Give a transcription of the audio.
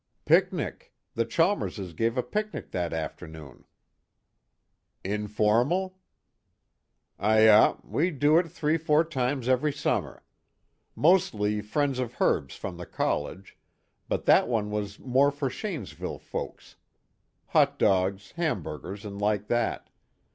"Picnic. The Chalmerses gave a picnic that afternoon." "Informal?" "Ayah. We do it three four times every summer. Mostly friends of Herb's from the college, but that one was more for Shanesville folks. Hot dogs, hamburgers and like that.